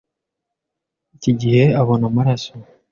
iki gihe abona amaraso